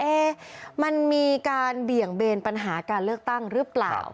มันมีการเบี่ยงเบนปัญหาการเลือกตั้งหรือเปล่า